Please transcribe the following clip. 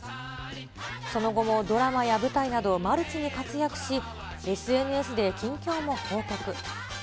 その後もドラマや舞台など、マルチに活躍し、ＳＮＳで近況も報告。